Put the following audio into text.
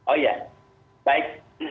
oh ya baik